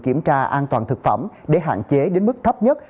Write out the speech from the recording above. kiểm tra an toàn thực phẩm để hạn chế đến mức thấp nhất